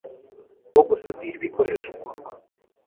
wo gusudira ibikoresho ukorwa